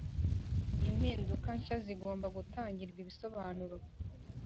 impinduka nshya zigomba gutangirwa ibisobanuro